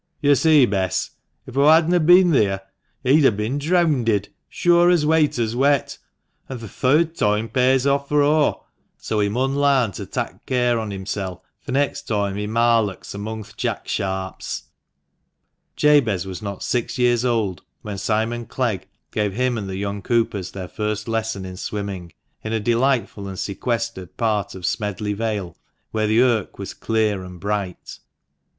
" Yo' see, Bess, if aw hadna bin theer he'd a bin dreawnded, sure as wayter's wet, an' th' third toime pays off fur o' ; so he mun larn to tak' care on himsel' th' next toime he marlocks [gambols] among th' Jack sharps." Jabez was not six years old when Simon Clegg gave him and the young Coopers their first lesson in swimming, in a delightful and sequestered part of Smedley Vale, where the Irk was clear and bright.